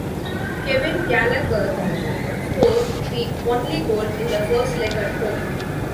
Kevin Gallacher scored the only goal in the first leg at home.